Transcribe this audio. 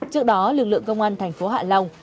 trước đó lực lượng công an thành phố hạ long